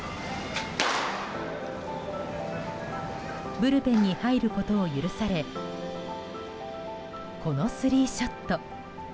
ブルペンに入ることを許されこのスリーショット。